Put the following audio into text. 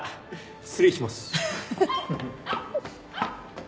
失礼します。